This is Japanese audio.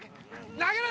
投げろ！